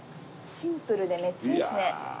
シンプルでめっちゃいいですね。